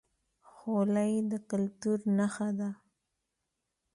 خولۍ د کلتور نښه ده